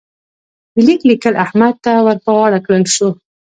د ليک لیکل احمد ته ور پر غاړه کړل شول.